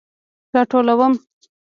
راټولوم